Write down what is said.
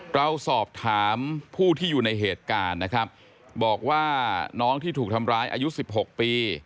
เราสอบถามผู้ที่อยู่ในเหตุการณ์นะครับบอกว่าน้องที่ถูกทำร้ายอายุ๑๖ปี